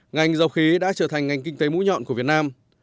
ngành dầu khí đã trở thành ngành kinh tế mũi nhọn của việt nam